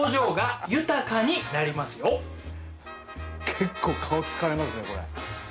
結構顔疲れますねこれ。